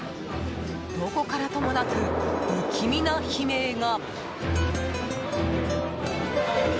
どこからともなく不気味な悲鳴が。